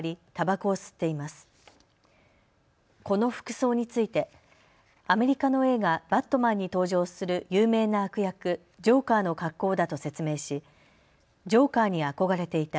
この服装についてアメリカの映画、バットマンに登場する有名な悪役、ジョーカーの格好だと説明しジョーカーに憧れていた。